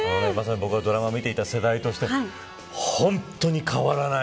僕はドラマを見ていた世代として本当に変わらない。